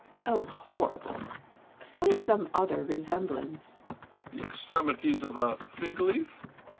Oh horrible ! Find some other resemblance. Epictetus. The extremities of a fig leaf.